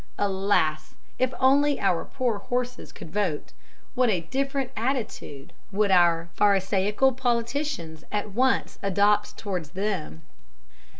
Alas! If only our poor horses could vote, what a different attitude would our pharisaical politicians at once adopt towards them!